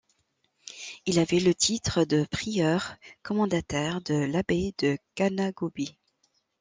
Il avait le titre de prieur commendataire de l’abbaye de Ganagobie.